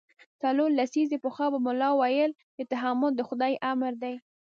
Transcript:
څلور لسیزې پخوا به ملا ویل چې تحمل د خدای امر دی.